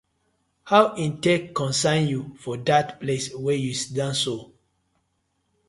How e tak concern yu for dat place wey yu siddon so?